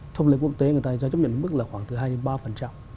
thông lý quốc tế người ta cho chấp nhận mức là khoảng từ hai đến ba